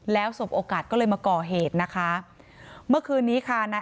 แล้วสบโอกาสก็เลยมาก่อเหตุนะคะเมื่อคืนนี้ค่ะ